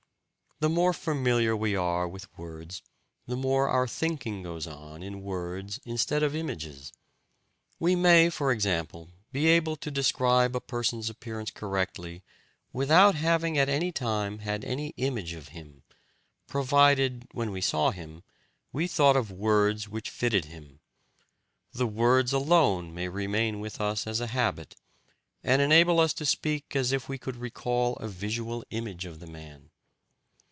The more familiar we are with words, the more our "thinking" goes on in words instead of images. We may, for example, be able to describe a person's appearance correctly without having at any time had any image of him, provided, when we saw him, we thought of words which fitted him; the words alone may remain with us as a habit, and enable us to speak as if we could recall a visual image of the man.